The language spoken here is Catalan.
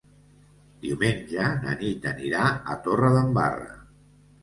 Diumenge na Nit anirà a Torredembarra.